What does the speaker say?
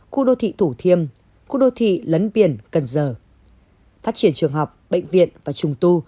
khu đô thị thủ thiêm khu đô thị lấn biển cần giờ phát triển trường học bệnh viện và trùng tu